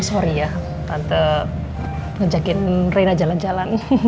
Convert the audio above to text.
sorry ya tante ngejakin reina jalan jalan